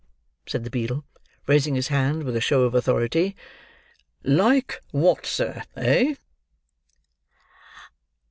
said the beadle, raising his hand with a show of authority. "Like what, sir, eh?"